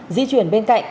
di chuyển bên cạnh